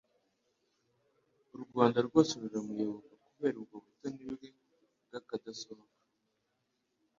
u Rwanda rwose ruramuyoboka kubera ubwo butoni bwe bw'akadasohoka.